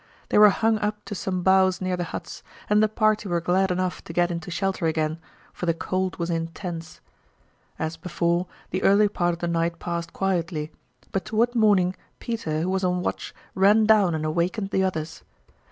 They were hung up to some boughs near the huts, and the party were glad enough to get into shelter again, for the cold was intense. As before, the early part of the night passed quietly; but toward morning Peter, who was on watch, ran down and awakened the others.